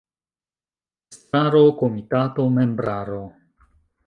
Estraro – Komitato – Membraro.